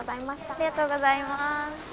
ありがとうございます。